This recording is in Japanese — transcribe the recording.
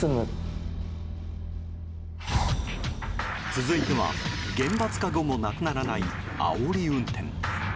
続いては、厳罰化後もなくならない、あおり運転。